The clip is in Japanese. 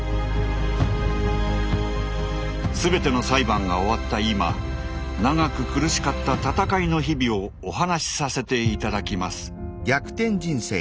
全ての裁判が終わった今長く苦しかった闘いの日々をお話しさせて頂きます。